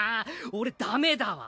俺ダメだわ。